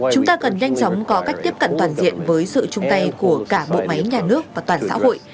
chúng ta cần nhanh chóng có cách tiếp cận toàn diện với sự chung tay của cả bộ máy nhà nước và toàn xã hội